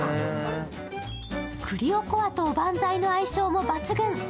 栗おこわとおばんざいの相性も抜群。